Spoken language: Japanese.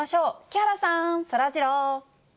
木原さん、そらジロー。